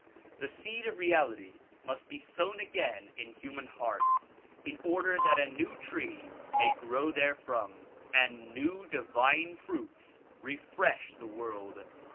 The seed of reality must be sown again in human hearts in order that a new tree may grow there from and new divine fruits refresh the world.